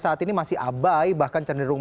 saat ini masih abai bahkan cenderung